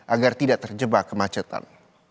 agar tidak terjebak kemacetan